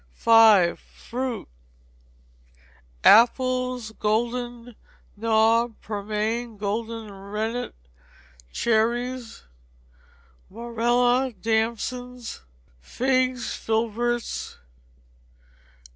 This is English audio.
v. Fruit. Apples: Golden nob, pearmain, golden rennet. Cherries (Morella), damsons, figs, filberts.